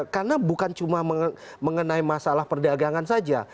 karena bukan cuma mengenai masalah perdagangan saja